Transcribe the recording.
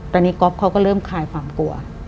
ตอนนี้ก๊อฟเขาก็เริ่มคลายความกลัว